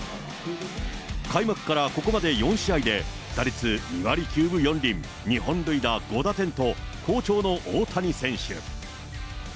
開幕からここまで４試合で、打率２割９分４厘、２本塁打５打点と好調の大谷選手。